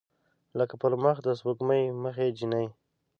لکه پر مخ د سپوږمۍ مخې جینۍ